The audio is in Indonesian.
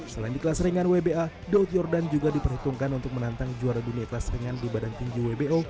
selain di kelas ringan wba daud yordan juga diperhitungkan untuk menantang juara dunia kelas ringan di badan tinggi wbo